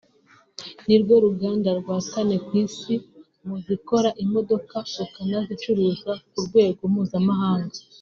nirwo ruganda rwa kane ku Isi mu zikora imodoka rukanazicuruza ku rwego mpuzamahanga